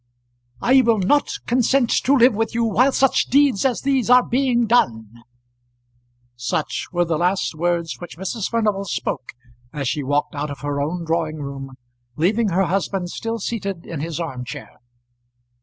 "I will not consent to live with you while such deeds as these are being done." Such were the last words which Mrs. Furnival spoke as she walked out of her own drawing room, leaving her husband still seated in his arm chair.